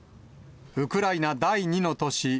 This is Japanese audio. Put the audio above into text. ウクライナ第２の都市